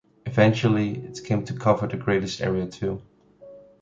Eventually, it came to cover the greatest area too.